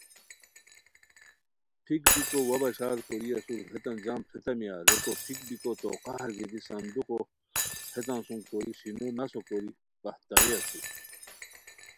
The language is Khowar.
پھیک بیکو وا بشار کوری اسور ہیتان جم پھریتامیا ریکو پھیک بیکو تو قہر گیتی صندوقو ہیتان سوم کوری سینو نسو کوری پہتاوے اسور